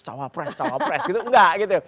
cawapres cawapres gitu enggak gitu